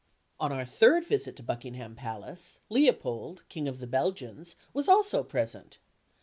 On our third visit to Buckingham Palace, Leopold, King of the Belgians, was also present.